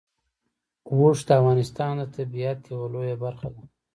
اوښ د افغانستان د طبیعت یوه لویه برخه ده.